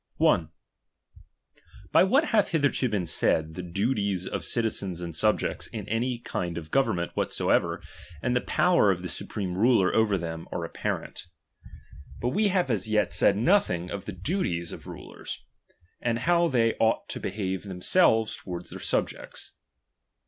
]. By what hath hitherto been said, the duties of chap, s citizens and subjects in any kind of government ^"^^,^ whatsoever, and the power of the supreme ruler f^* ""iii over them are apparent. But we have as yet said from iu™ nothing of the duties of rulers, and how they ought to behave themselves towards their subjects.